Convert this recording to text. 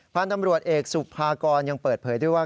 พันธุ์ตำรวจเอกสุภากรยังเปิดเผยด้วยว่า